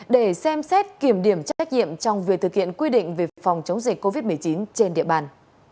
để xem xét kiểm điểm trách nhiệm trong việc thực hiện quy định về phòng chống dịch covid một mươi chín trên địa bàn